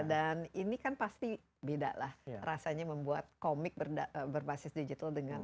dan ini kan pasti beda lah rasanya membuat komik berbasis digital dengan